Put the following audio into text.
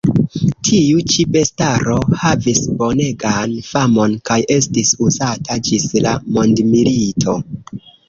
Tiu ĉi bestaro havis bonegan famon kaj estis uzata ĝis la mondmilito.